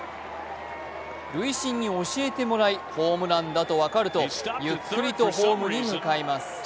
塁審に教えてもらい、ホームランだと分かるとゆっくりホームに向かいます。